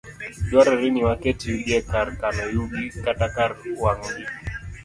Dwarore ni waket yugi e kar kano yugi, kata kar wang'ogi.